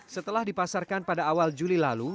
setelah dipasarkan pada awal juli lalu